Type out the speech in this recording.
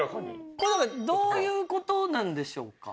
これどういう事なんでしょうか？